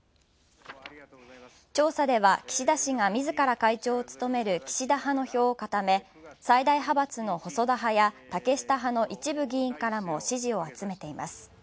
調査では岸田氏が自ら会長を務める岸田派の票を固め最大派閥の細田派や竹下派の一部議員からも支持を集めています。